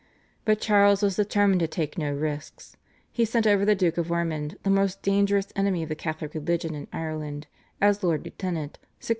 But Charles was determined to take no risks. He sent over the Duke of Ormond, the most dangerous enemy of the Catholic religion in Ireland, as Lord Lieutenant (1660).